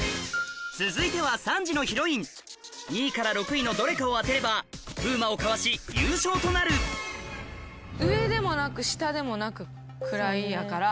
続いては３時のヒロイン２位から６位のどれかを当てれば風磨をかわし優勝となる上でもなく下でもなくくらいやから。